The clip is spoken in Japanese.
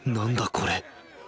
これ。